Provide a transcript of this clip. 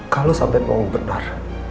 kalau sampai mohon benar